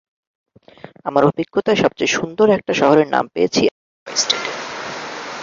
আমার অভিজ্ঞতায় সবচেয়ে সুন্দর একটা শহরের নাম পেয়েছি আইওয়া স্টেটে।